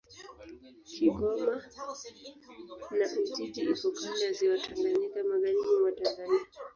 Kigoma na Ujiji iko kando ya Ziwa Tanganyika, magharibi mwa Tanzania.